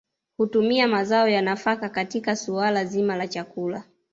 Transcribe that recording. Hutumia mazao ya nafaka katika suala zima la chakula